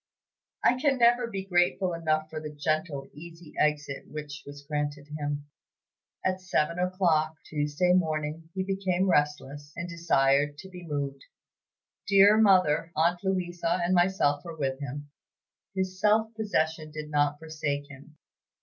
I can never be grateful enough for the gentle, easy exit which was granted him. At seven o'clock, Tuesday morning, he became restless, and desired to be moved. Dear Mother, aunt Louisa, and myself were with him. His self possession did not forsake him.